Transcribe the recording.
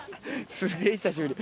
すげえ、久しぶり。